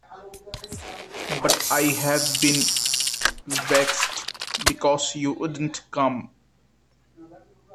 But I have been vexed, because you wouldn’t come.